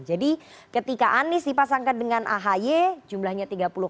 jadi ketika anies dipasangkan dengan ahy jumlahnya tiga puluh lima